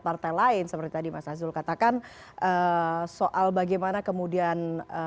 partai lain seperti tadi mas azul katakan soal bagaimana kemudian